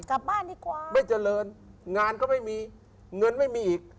กลับบ้านดีกว่าไม่เจริญงานก็ไม่มีเงินไม่มีอีก